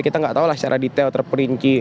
kita gak tahulah secara detail terperinci